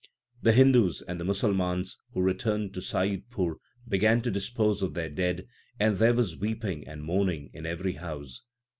5 The Hindus and the Musalmans who returned to Saiyidpur began to dispose of their dead, and there was weeping and mourning in every house.